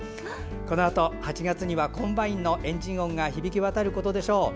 このあと８月にはコンバインのエンジン音が響き渡ることでしょう。